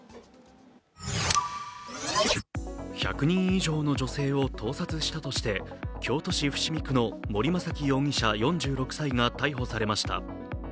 １００人以上の女性を盗撮したとして京都市伏見区の森雅紀容疑者４６歳が逮捕されました。